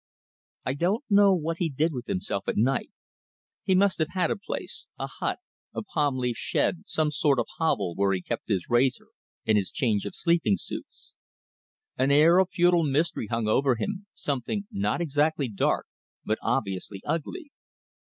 I don't know what he did with himself at night. He must have had a place, a hut, a palm leaf shed, some sort of hovel where he kept his razor and his change of sleeping suits. An air of futile mystery hung over him, something not exactly dark but obviously ugly.